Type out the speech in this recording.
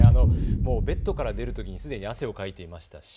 ベッドから出るときにすでに汗をかいていました。